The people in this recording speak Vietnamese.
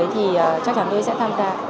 thì chắc chắn tôi sẽ tham gia